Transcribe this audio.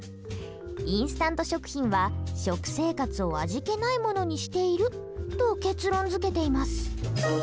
インスタント食品は食生活を味気ないものにしていると結論づけています。